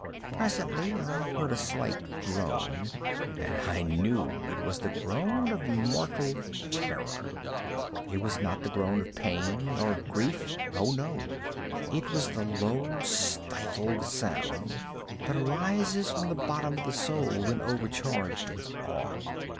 Presently I heard a slight groan, and I knew it was the groan of mortal terror. It was not a groan of pain or of grief—oh, no!—it was the low stifled sound that arises from the bottom of the soul when overcharged with awe.